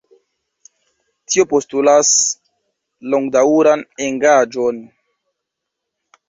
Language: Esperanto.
Tio postulas longdaŭran engaĝon.